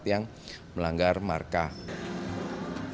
yang melanggar marka jalan